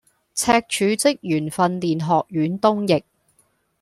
赤柱職員訓練學院東翼